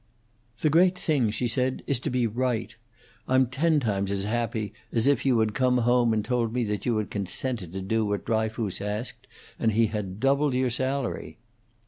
"The great thing," she said, "is to be right. I'm ten times as happy as if you had come home and told me that you had consented to do what Dryfoos asked and he had doubled your salary."